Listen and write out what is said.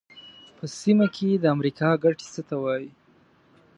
په سیمه کې د امریکا ګټې څه ته وایي.